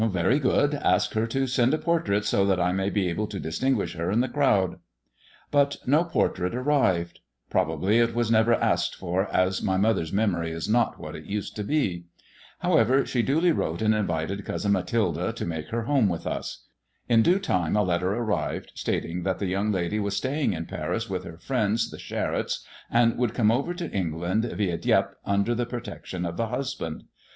" Very good. Ask her to send a portrait, so that I may be able to distinguish her in the crowd." But no portrait arrived. Probably it was never asked for, as my mother's memory is not what it used to be. However, she duly wrote and invited Cousin Mathilde to make her home with us. In due time a letter arrived, stating that the young lady was staying in Paris with her friends, the Charettes, and would come over to England, vi4 Dieppe, under the protection of the husband.